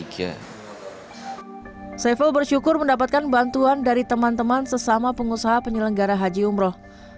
saiful bersyukur mendapatkan bantuan dari teman teman sesama pengusaha penyelenggara haji umroh